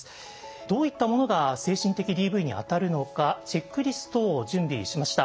どういったものが精神的ＤＶにあたるのかチェックリストを準備しました。